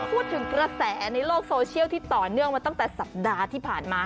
พูดถึงกระแสในโลกโซเชียลที่ต่อเนื่องมาตั้งแต่สัปดาห์ที่ผ่านมา